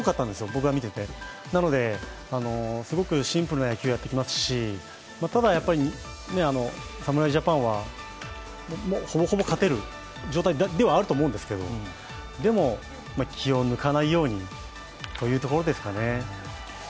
僕が見ていて、なので、すごくシンプルな野球をやってきますし、ただやっぱり侍ジャパンはほぼほぼ勝てる状態ではあると思うんですけれどもでも、気を抜かないようにというところですかね。